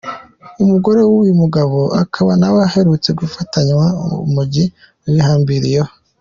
Umugore w’uyu mugabo akaba nawe aherutse gufatanywa urumogi arwihambiriyeho.